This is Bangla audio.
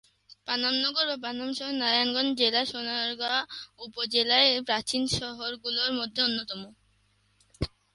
পানাম নগর বা পানাম শহর নারায়ণগঞ্জ জেলার সোনারগাঁ উপজেলাধীন প্রাচীন শহর গুলোর মধ্যে অন্যতম।